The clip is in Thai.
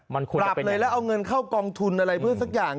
มันควรปรับเลยแล้วเอาเงินเข้ากองทุนอะไรเพื่อสักอย่าง